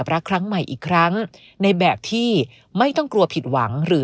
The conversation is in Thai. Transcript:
รักครั้งใหม่อีกครั้งในแบบที่ไม่ต้องกลัวผิดหวังหรือ